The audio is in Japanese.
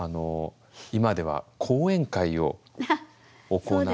今では講演会を行って。